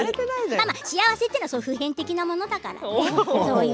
幸せというのは普遍的なものだからね。